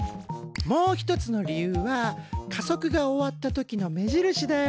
もう一つの理由は加速が終わった時の目印だよ。